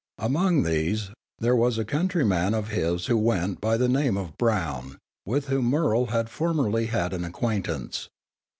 Among these, there was a country man of his who went by the name of Brown, with whom Murrel had formerly had an acquaintance.